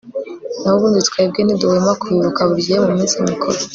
naho ubundi, twebwe ntiduhwema kubibuka buri gihe mu minsi mikuru